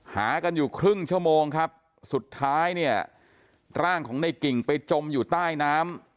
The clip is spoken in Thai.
หากันอยู่ครึ่งชั่วโมงครับสุดท้ายเนี่ยร่างของในกิ่งไปจมอยู่ใต้น้ำ